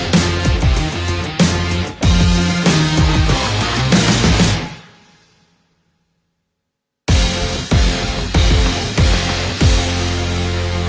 โปรดติดตามตอนต่อไป